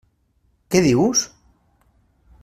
Què dius?